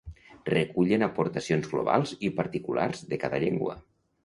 Recullen aportacions globals i particulars de cada llengua.